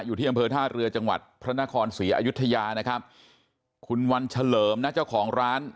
อยู่ที่อำเภอท่าเรือจังหวัดพระนครศรีอยุธยานะครับคุณวันเฉลิมนะเจ้าของร้าน